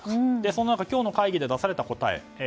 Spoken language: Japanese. そんな中今日の会議で出された答え。